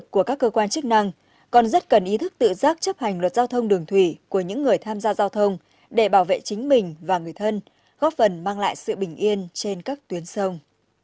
tuy nhiên bên cạnh sự nỗ lực của các cơ quan chức năng còn rất cần ý thức tự giác chấp hành luật giao thông đường thủy của những người tham gia giao thông để bảo vệ chính mình và người thân góp phần mang lại sự bình yên trên các tuyến sông